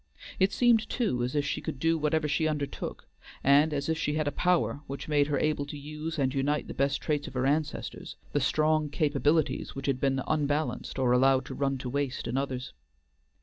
It seemed, too, as if she could do whatever she undertook, and as if she had a power which made her able to use and unite the best traits of her ancestors, the strong capabilities which had been illy balanced or allowed to run to waste in others.